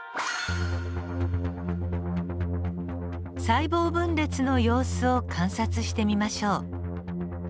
細胞分裂の様子を観察してみましょう。